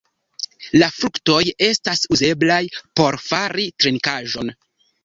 La fruktoj estas uzeblaj por fari trinkaĵon.